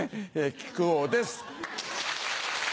木久扇です。